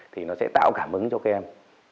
thì nó sẽ tạo cảm ứng cho các em